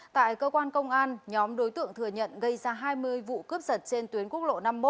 tại cơ quan công an nhóm đối tượng thừa nhận gây ra hai mươi vụ cướp giật trên tuyến quốc lộ năm mươi một